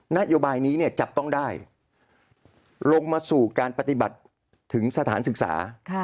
นโยบายนี้เนี่ยจับต้องได้ลงมาสู่การปฏิบัติถึงสถานศึกษา